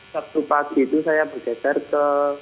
sabtu pagi itu saya bergeser ke